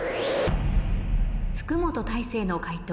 福本大晴の解答